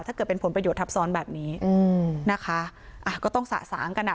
เกิดเป็นผลประโยชนทับซ้อนแบบนี้อืมนะคะอ่ะก็ต้องสะสางกันอ่ะ